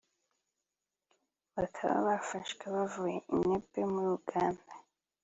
bakaba bafashwe bavuye Entebbe muri Uganda